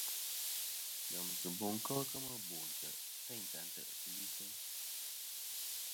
Ngemsiɨbo kel kemɨ no ntè' teyn ta ntè'sɨ li.